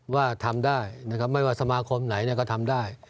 ว่าทำได้นะครับไม่ว่าสมาคมไหนก็ทำได้